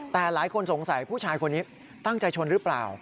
แต่หลายคนสงสัยผู้ชายคนนี้ตั้งใจชนหรือเปล่า